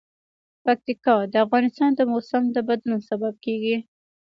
پکتیکا د افغانستان د موسم د بدلون سبب کېږي.